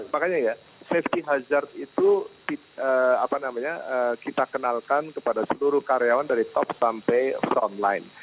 makanya ya safety hazard itu kita kenalkan kepada seluruh karyawan dari top sampai front line